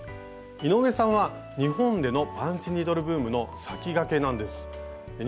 井上さんは日本でのパンチニードルブームの先駆けなんです。